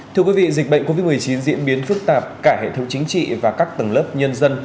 thưa quý vị dịch bệnh covid một mươi chín diễn biến phức tạp cả hệ thống chính trị và các tầng lớp nhân dân